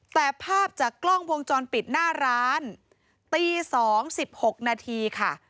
แต่ภาพจากกล้องวงจรปิดหน้าร้านตี๒๑๖นาทีค่ะ